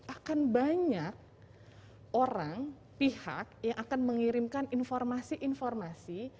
akan banyak orang pihak yang akan mengirimkan informasi informasi